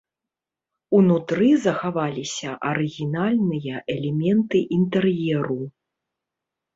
Унутры захаваліся арыгінальныя элементы інтэр'еру.